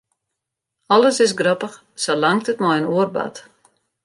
Alles is grappich, salang't it mei in oar bart.